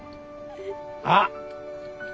あっ！